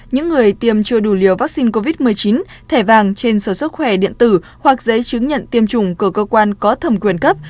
những người tiêm chưa đủ liều vaccine covid một mươi chín thẻ vàng trên sổ sức khỏe điện tử hoặc giấy chứng nhận tiêm chủng của cơ quan có thẩm quyền cấp